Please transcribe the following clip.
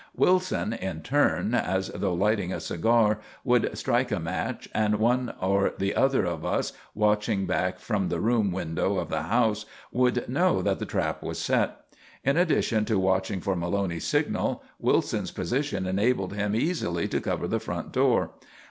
Wilson, in turn, as though lighting a cigar, would strike a match, and one or the other of us, watching back from the room window of the house, would know that the trap was set. In addition to watching for Maloney's signal, Wilson's position enabled him easily to cover the front door.